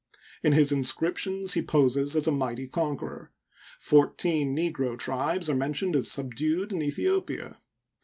In his inscriptions he poses as a mighty conqueror ; fourteen neg^o tribes are mentioned as sub dued in Aethiopia.